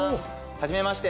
「はじめまして」